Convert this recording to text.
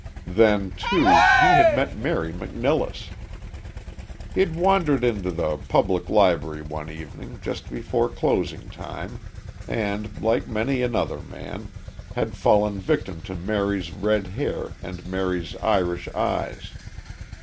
Then, too, he had met Mary McNilless. He'd wandered into the Public Library one evening just before closing time, and, like many another man, had fallen victim to Mary's red hair and Mary's Irish eyes.